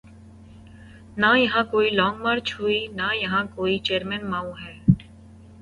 نہ یہاں کوئی لانگ مارچ ہوئی ‘نہ یہاں کوئی چیئرمین ماؤ ہے۔